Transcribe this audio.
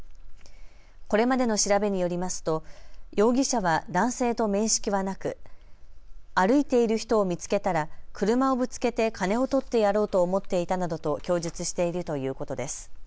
これまでの調べによりますと容疑者は男性と面識はなく歩いている人を見つけたら車をぶつけて金をとってやろうと思っていたなどと供述しているということです。